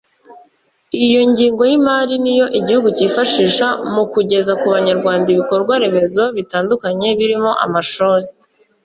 Iyo ngengo y’imari niyo igihugu cyifashisha mu kugeza ku banyarwanda ibikorwa remezo bitandukanye birimo amashuri